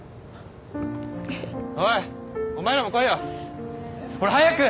おいお前らも来いよほら早く！